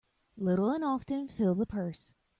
Little and often fill the purse.